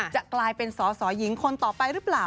จะกลายเป็นสอสอหญิงคนต่อไปหรือเปล่า